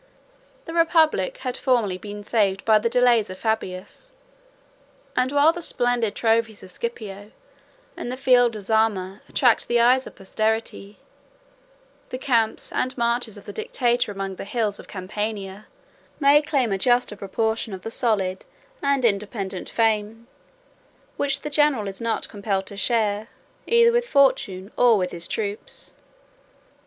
The republic had formerly been saved by the delays of Fabius; and, while the splendid trophies of Scipio, in the field of Zama, attract the eyes of posterity, the camps and marches of the dictator among the hills of the Campania, may claim a juster proportion of the solid and independent fame, which the general is not compelled to share, either with fortune or with his troops.